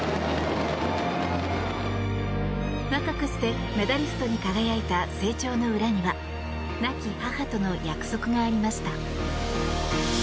若くしてメダリストに輝いた成長の裏には亡き母との約束がありました。